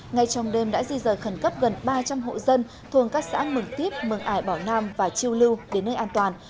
ngay trong đêm đã di rời khẩn cấp gần ba trăm linh hộ dân thuồng các xã mường tiếp mường ải bảo nam và chiêu lưu đến nơi an toàn